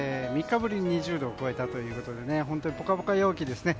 ３日ぶりに２０度を超えたということで本当にポカポカ陽気ですね。